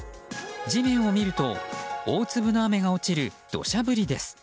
地面を見ると、大粒の雨が落ちる土砂降りです。